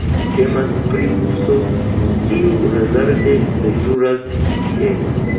Temas pri buso, kiu hazarde veturas ĉi tie.